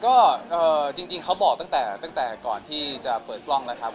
ก็จริงเขาบอกตั้งแต่ก่อนที่จะเปิดกล้องแล้วครับ